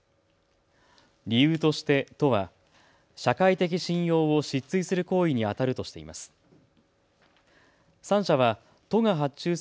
理由として都は社会的信用を失墜する行為にあたるとしています。